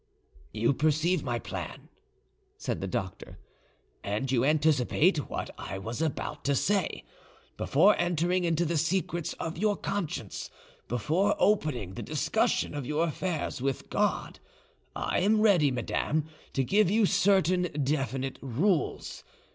"You perceive my plan," said the doctor, "and you anticipate what I was about to say. Before entering into the secrets of your conscience, before opening the discussion of your affairs with God, I am ready, madame, to give you certain definite rules.